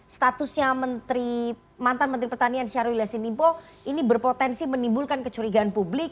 statusnya mantan menteri pertanian syarul ila sinipo ini berpotensi menimbulkan kecurigaan publik